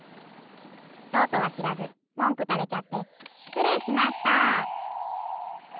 そうとはしらずもんくたれちゃってしつれいしました。